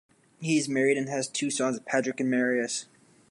He is married and has two sons, Patrick and Marius.